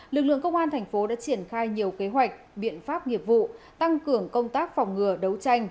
lực lượng công an thành phố đã triển khai nhiều kế hoạch biện pháp nghiệp vụ tăng cường công tác phòng ngừa đấu tranh